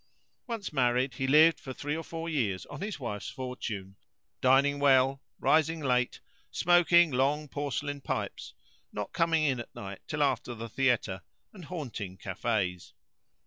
Once married, he lived for three or four years on his wife's fortune, dining well, rising late, smoking long porcelain pipes, not coming in at night till after the theatre, and haunting cafes.